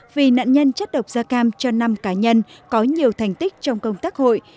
vì nạn nhân chất độc da cam cho năm cá nhân có nhiều thành tích trong công tác hội